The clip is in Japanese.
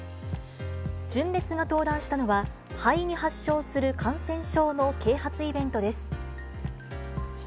純烈が登壇したのは、肺に発症する感染症の啓発イベントです。